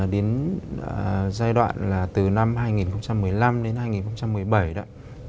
đến giai đoạn là từ năm hai nghìn một mươi năm đến hai nghìn một mươi bảy đó